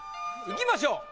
いきましょう。